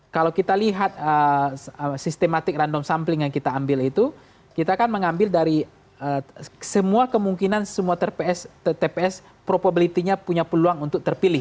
kalau kita lihat sistematik random sampling yang kita ambil itu kita akan mengambil dari semua kemungkinan semua tps probability nya punya peluang untuk terpilih